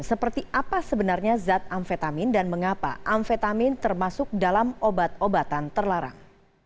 seperti apa sebenarnya zat amfetamin dan mengapa amfetamin termasuk dalam obat obatan terlarang